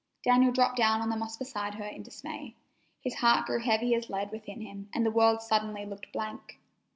Daniel dropped down on the moss beside her in dismay. His heart grew heavy as lead within him, and the world suddenly looked blank.